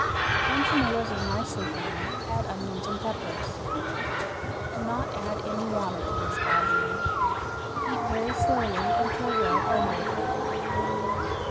When tomatoes are nicely browned add onions and peppers. Do not add any water to this bujea. Heat very slowly until well blended.